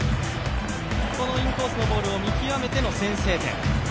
このインコースのボールを見極めての先制点。